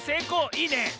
いいね。